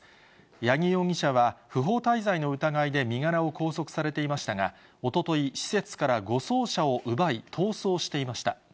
八木容疑者は、不法滞在の疑いで身柄を拘束されていましたが、おととい、施設から護送車を奪い、逃走していました。